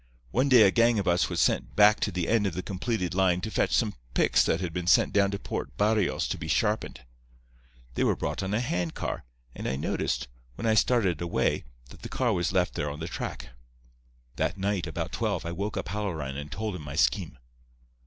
One day a gang of us was sent back to the end of the completed line to fetch some picks that had been sent down to Port Barrios to be sharpened. They were brought on a hand car, and I noticed, when I started away, that the car was left there on the track. "That night, about twelve, I woke up Halloran and told him my scheme.